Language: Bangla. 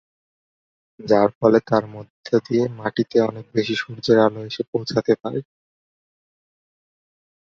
যার ফলে তার মধ্যে দিয়ে মাটিতে অনেক বেশি সূর্যের আলো এসে পৌঁছতে পারে।